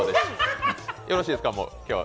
よろしいですか、今日は。